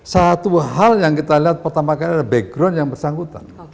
satu hal yang kita lihat pertama kali ada background yang bersangkutan